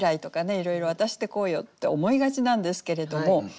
いろいろ「私ってこうよ」って思いがちなんですけれども